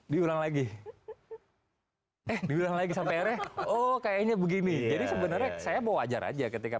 diulang lagi eh diulang lagi sampai akhirnya oh kayaknya begini jadi sebenarnya saya mau wajar aja ketika